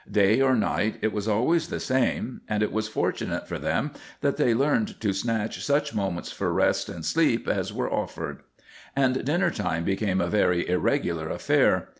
Day or night, it was always the same, and it was fortunate for them that they learned to snatch such moments for rest and sleep as were offered. And dinner time became a very irregular affair.